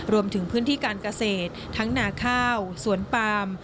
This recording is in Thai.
รวมถึงพื้นที่การเกษตรทั้งนาข้าวสวนปาม